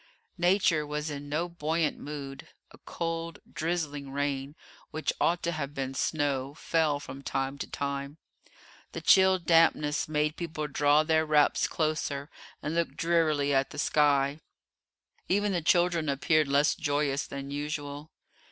Nature was in no buoyant mood. A cold, drizzling rain, which ought to have been snow, fell from time to time. The chill dampness made people draw their wraps closer, and look drearily at the sky. Even the children appeared less joyous than usual.